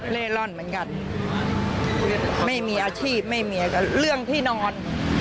เล่ร่อนเหมือนกันไม่มีอาชีพไม่มีเรื่องที่นอน